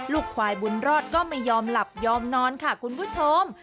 ควายบุญรอดก็ไม่ยอมหลับยอมนอนค่ะคุณผู้ชม